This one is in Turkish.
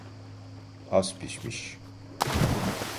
Az pişmiş.